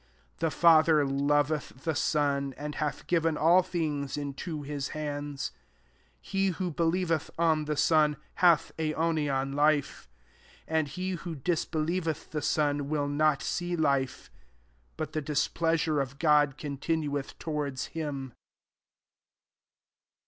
35 « The Father loveth the Son, and hath given all things into his hands. 36 He who be lieveth on the Son, hath aio nian life : and he who disbe lieveth the Son, will not see life ; but the displeasure ofGod continueth towards him.